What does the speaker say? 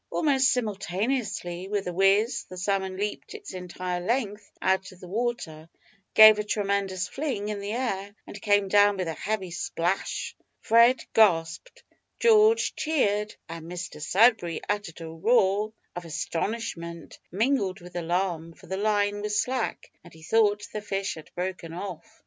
Almost simultaneously with the whiz the salmon leaped its entire length out of the water, gave a tremendous fling in the air, and came down with a heavy splash! Fred gasped; George cheered, and Mr Sudberry uttered a roar of astonishment, mingled with alarm, for the line was slack, and he thought the fish had broken off.